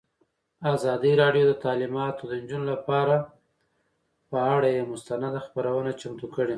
ازادي راډیو د تعلیمات د نجونو لپاره پر اړه مستند خپرونه چمتو کړې.